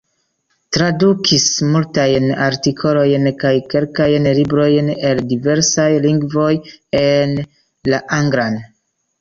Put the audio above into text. Tradukis multajn artikolojn kaj kelkajn librojn el diversaj lingvoj en la anglan.